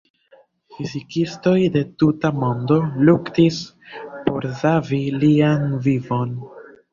Fizikistoj de tuta mondo luktis por savi lian vivon.